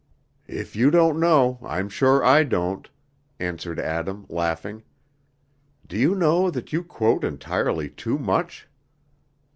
"If you don't know, I'm sure I don't," answered Adam, laughing. "Do you know that you quote entirely too much?"